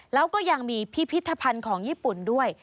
แล้วก็ยังมีพิพิธภัณฑ์ของญี่ปุ่นด้วย